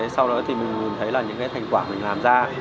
sau đó thì mình nhìn thấy là những cái thành quả mình làm ra